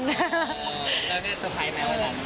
แล้วได้เซอร์ไพร์ไหมวันนั้น